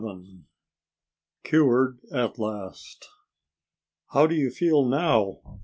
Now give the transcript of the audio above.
XI Cured At Last "How do you feel now?"